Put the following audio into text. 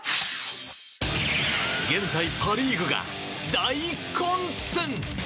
現在パ・リーグが大混戦！